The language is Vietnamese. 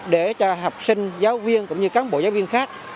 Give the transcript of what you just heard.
để cho học sinh giáo viên cũng như cán bộ giáo viên khác